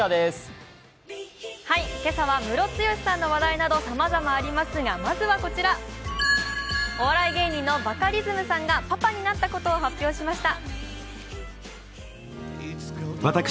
今朝はムロツヨシさんの名前などさまざまありますがお笑い芸人のバカリズムさんが、パパになったことを発表しました。